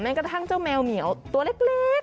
แม้กระทั่งเจ้าแมวเหนียวตัวเล็กอะค่ะอืม